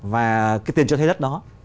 và cái tiền cho thế đất đó